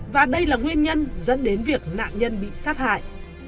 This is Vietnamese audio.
và đây là nguyên nhân dẫn đến việc nạn nhân bị sát hại